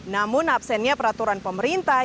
namun absennya peraturan pemerintah